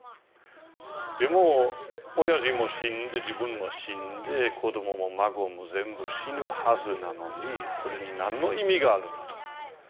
でも親父も死んで自分も死んで子供も孫も全部死ぬはずなのにこれに何の意味があるんだと。